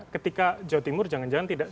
ketika jawa timur jangan jangan tidak